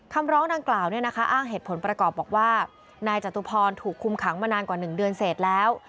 คำร้องดังกล่าวอ้างเหตุผลประกอบบอกว่านายจตุพรถูกคุมขังมานานกว่า๑เดือนเสร็จแล้ว